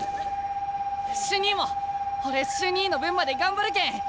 瞬兄も俺瞬兄の分まで頑張るけん。